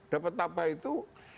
dapat apa itu